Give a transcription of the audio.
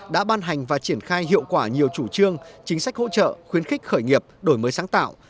đã ban hành và triển khai hiệu quả nhiều chủ trương chính sách hỗ trợ khuyến khích khởi nghiệp đổi mới sáng tạo